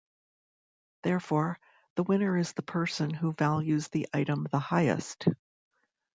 Therefore, the winner is the person who values the item the highest.